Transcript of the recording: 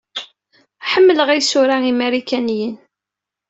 Ḥemmleɣ isura imarikaniyen.